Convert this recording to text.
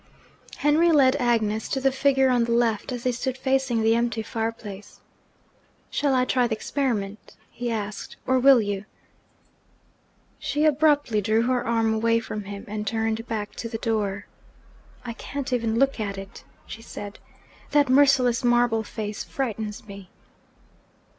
Henry led Agnes to the figure on the left, as they stood facing the empty fire place. 'Shall I try the experiment,' he asked, 'or will you?' She abruptly drew her arm away from him, and turned back to the door. 'I can't even look at it,' she said. 'That merciless marble face frightens me!'